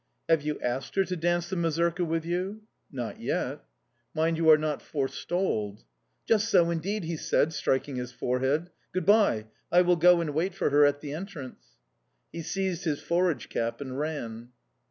"Have you asked her to dance the mazurka with you?" "Not yet"... "Mind you are not forestalled"... "Just so, indeed!" he said, striking his forehead. "Good bye... I will go and wait for her at the entrance." He seized his forage cap and ran.